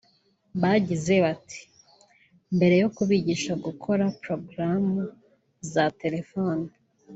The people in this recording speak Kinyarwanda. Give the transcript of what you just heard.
bagize bati ”Mbere yo kubigisha gukora porogaramu za telefoni